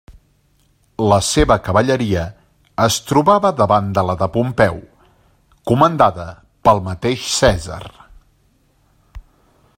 La seva cavalleria es trobava davant de la de Pompeu, comandada pel mateix Cèsar.